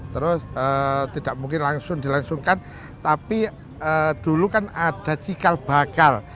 terus tidak mungkin langsung dilangsungkan tapi dulu kan ada cikal bakal